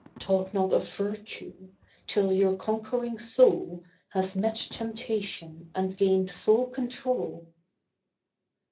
Talk not of virtue, till your conquering soul Has met temptation and gained full control.